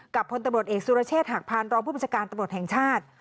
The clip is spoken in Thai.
พลตำรวจเอกสุรเชษฐหักพานรองผู้บัญชาการตำรวจแห่งชาติ